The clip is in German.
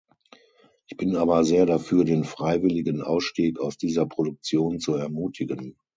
Ich bin aber sehr dafür, den freiwilligen Ausstieg aus dieser Produktion zu ermutigen.